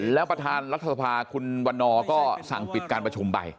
แล้วประธานรัฐสภาคุณวันนอร์ก็สั่งปิดการประชุมไป